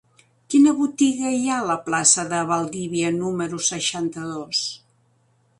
Quina botiga hi ha a la plaça de Valdivia número seixanta-dos?